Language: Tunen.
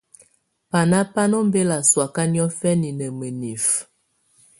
Bana bà nɔ̀ ɔmbela sɔ̀́áka niɔ̀fɛna nà mǝnifǝ.